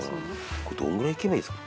これどんぐらいいけばいいんですか？